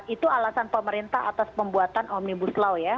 itu alasan pemerintah atas pembuatan omnibus law ya